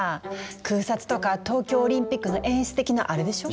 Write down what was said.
空撮とか東京オリンピックの演出的なアレでしょう？